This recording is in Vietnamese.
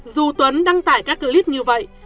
dù tuấn đăng tải các clip như vậy